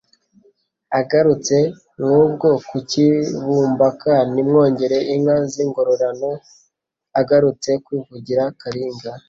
Agarutse nk' ubwo ku cy' i Bumpaka Nimwongere inka z' ingororano Agarutse kwivugira Karinga